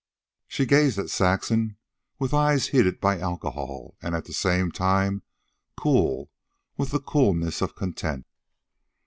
She gazed at Saxon with eyes heated by alcohol and at the same time cool with the coolness of content.